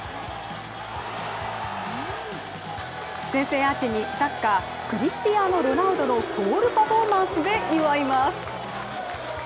先制アーチに、サッカークリスティアーノ・ロナウドのゴールパフォーマンスで祝います。